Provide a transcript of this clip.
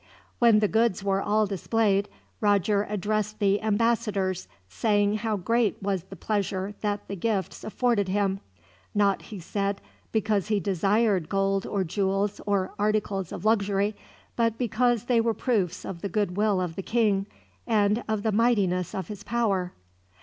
When the goods were all displayed, Roger addressed the ambassadors, saying how great was the pleasure that the gifts afforded him. Not, he said, because he desired gold or jewels or articles of luxury, but because they were proofs of the goodwill of the king, and of the mightiness of his power.